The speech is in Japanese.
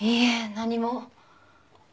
何も。